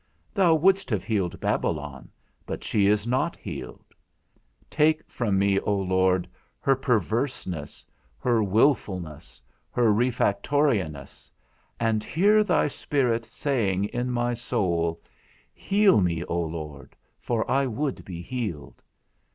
Thou wouldst have healed Babylon, but she is not healed. Take from me, O Lord, her perverseness, her wilfulness, her refractoriness, and hear thy Spirit saying in my soul: Heal me, O Lord, for I would be healed.